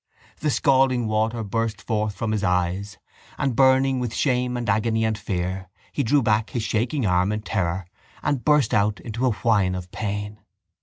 The scalding water burst forth from his eyes and, burning with shame and agony and fear, he drew back his shaking arm in terror and burst out into a whine of pain.